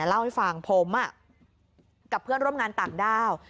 เล่าให้ฟังผมกับเพื่อนร่วมงานต่างด้าว